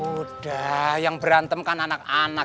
udah yang berantem kan anak anak